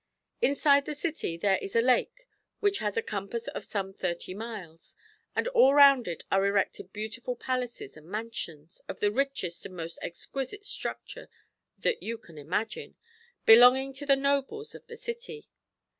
^ Inside the city there is a Lake which lias a compass of some 30 miles; and all round it are erected beautiful palaces and mansions, of tiie richest and most exquisite structure that you can imagine, belonging to the nobles of Chap. LXXVI. THE GREAT CITY OF KINSAY. I47 the city.